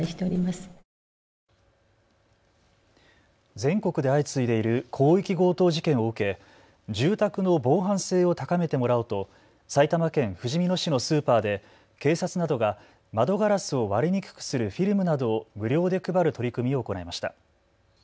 全国で相次いでいる広域強盗事件を受け、住宅の防犯性を高めてもらおうと埼玉県ふじみ野市のスーパーで警察などが窓ガラスを割れにくくするフィルムなどを無料で配る取り組みを行いました。